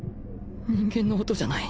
人間の音じゃない